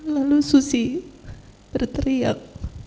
lalu susi berteriak